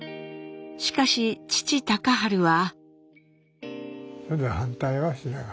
しかし父隆治は。